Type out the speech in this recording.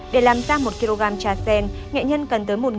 để làm ra một kg trà sen nghệ nhân cần tới một một đồng